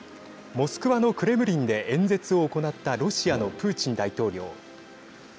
モスクワのクレムリンで演説を行ったロシアのプーチン大統領。